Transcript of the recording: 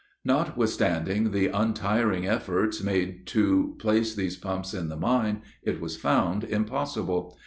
Notwithstanding the untiring efforts made to place these pumps in the mine, it was found impossible.